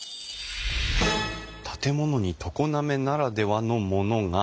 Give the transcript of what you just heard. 「建物に常滑ならではのものが！